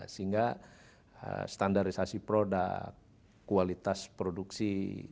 sehingga standarisasi produk kualitas produksi